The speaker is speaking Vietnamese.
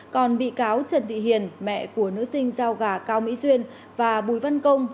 còn bị cáo trần thị hiền mẹ của nữ sinh giao gà cao mỹ duyên và bùi văn công